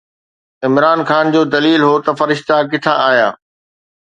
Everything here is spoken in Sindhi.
عمران خان جو دليل هو ته فرشتا ڪٿان آيا؟